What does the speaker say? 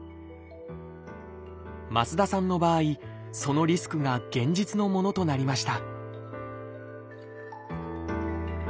増田さんの場合そのリスクが現実のものとなりました